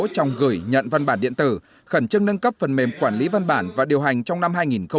trong gửi nhận văn bản điện tử khẩn trưng nâng cấp phần mềm quản lý văn bản và điều hành trong năm hai nghìn hai mươi